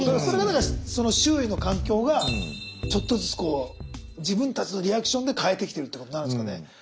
それがだから周囲の環境がちょっとずつ自分たちのリアクションで変えてきてるってことになるんですかね。